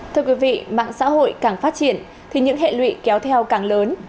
thưa quý vị mạng xã hội càng phát triển thì những hệ lụy kéo theo càng lớn